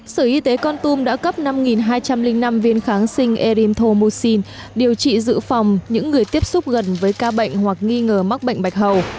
sở y tế con tum đã cấp năm hai trăm linh năm viên kháng sinh erinthomucin điều trị dự phòng những người tiếp xúc gần với ca bệnh hoặc nghi ngờ mắc bệnh bạch hầu